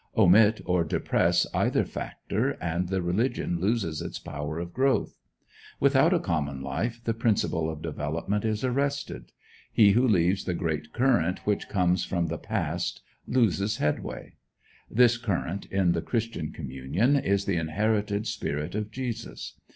Omit or depress either factor, and the religion loses its power of growth. Without a common life, the principle of development is arrested. He who leaves the great current which comes from the past loses headway. This current, in the Christian communion, is the inherited spirit of Jesus.